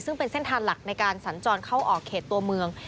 ซึ่งเป็นเส้นทางหลักในการสัญจรเข้าออกเขตตัวเมือง